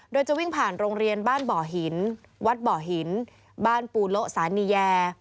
โดยจะวิ่งผ่านโรงเรียนบ้านบ่อหินวัดบ่อหินบ้านปูโละสานีแย